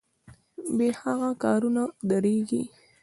بې هغه کارونه دریږي.